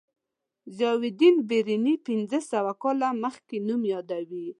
ضیاءالدین برني پنځه سوه کاله مخکې نوم یادوي.